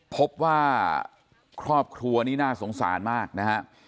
พบว่าครอบครัวนี้น่าสงสารมากนะฮะ